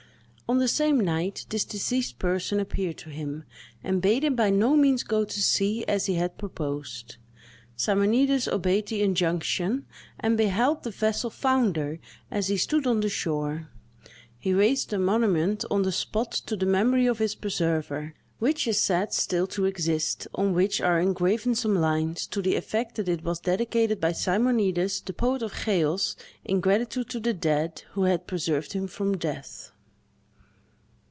On the same night, this deceased person appeared to him, and bade him by no means go to sea, as he had proposed. Simonides obeyed the injunction, and beheld the vessel founder, as he stood on the shore. He raised a monument on the spot to the memory of his preserver, which is said still to exist, on which are engraven some lines, to the effect that it was dedicated by Simonides, the poet of Cheos, in gratitude to the dead who had preserved him from death.